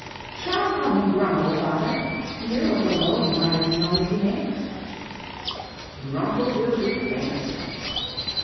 "Shall I call him Grumble, father? Hear what a low muttering noise he makes!" "Grumble will do famously."